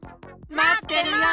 まってるよ！